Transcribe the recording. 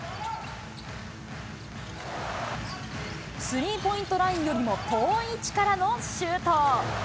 スリーポイントラインよりも遠い位置からのシュート。